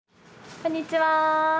こんにちは。